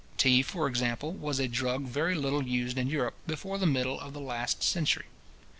Tea, for example, was a drug very little used in Europe, before the middle of the last century.